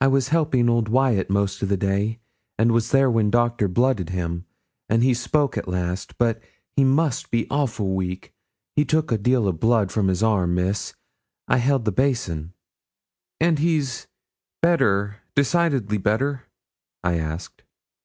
I was helping old Wyat most of the day, and was there when doctor blooded him, an' he spoke at last; but he must be awful weak, he took a deal o' blood from his arm, Miss; I held the basin.' 'And he's better decidedly better?' I asked.